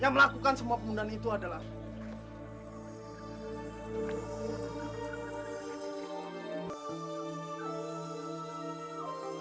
yang melakukan semua penggunaan itu adalah